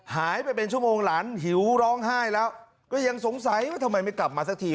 หายไปเป็นชั่วโมงหลานหิวร้องไห้แล้วก็ยังสงสัยว่าทำไมไม่กลับมาสักที